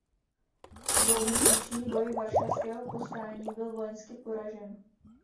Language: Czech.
Dvouměsíční boj varšavského povstání byl vojensky poražen.